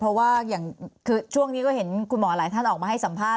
เพราะว่าอย่างคือช่วงนี้ก็เห็นคุณหมอหลายท่านออกมาให้สัมภาษ